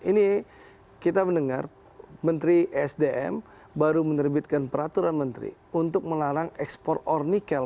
ini kita mendengar menteri sdm baru menerbitkan peraturan menteri untuk melarang ekspor or nikel